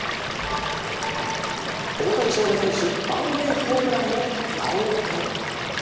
大谷翔平選手、満塁ホームランも、「なおエ」。